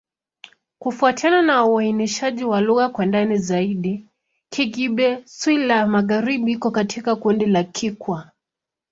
Kufuatana na uainishaji wa lugha kwa ndani zaidi, Kigbe-Xwla-Magharibi iko katika kundi la Kikwa.